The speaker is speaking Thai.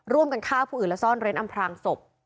ร่วมกันข้าวผู้อื่นแล้วซ่อนใดอำแพรงศพ